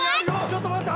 ちょっと待って。